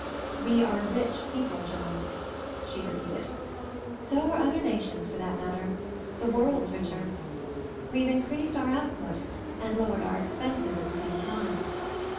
"We are a rich people, John," she re peated. "So are other nations, for that mat ter; the world's richer. We have increased our output and lowered our expenses at the same time.